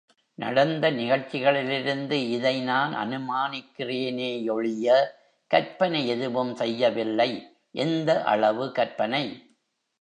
நடந்த நிகழ்ச்சிகளிலிருந்து இதை நான் அனுமானிக்கிறேனேயொழிய கற்பனை எதுவும் செய்யவில்லை. எந்த அளவு கற்பனை?